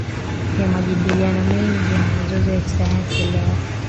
ya majadiliano mengi na mizozo ya kisayansi leo